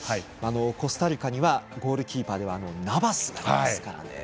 コスタリカにはゴールキーパーにナバスがいますからね。